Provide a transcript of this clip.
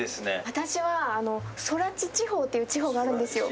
私は空知地方っていう地方があるんですよ。